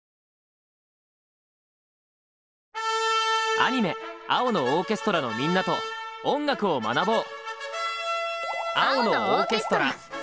アニメ「青のオーケストラ」のみんなと音楽を学ぼう！